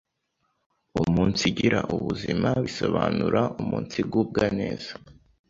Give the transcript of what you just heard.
Umunsigira ubuzima bisobanura umunsigubwa neza,